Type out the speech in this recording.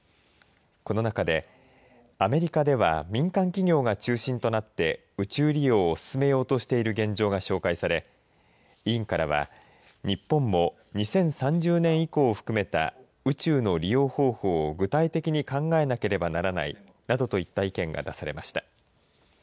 この中でアメリカでは民間企業が中心となって宇宙利用を進めようとしている現状が紹介され委員からは日本も２０３０年以降を含めた宇宙の利用方法を具体的に考えなければならないなどといった意見が出されました。